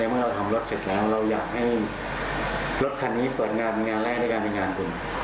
และเมื่อเราทำรถเฉ็ดแล้วเราอยากให้รถคันนี้เปิดงานแรกด้วยการเป็นงานคุณ